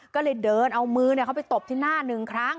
ก็เลยเดินเอามือเขาไปตบที่หน้าหนึ่งครั้ง